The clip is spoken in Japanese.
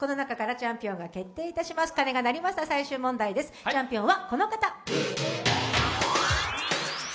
チャンピオンはこの方。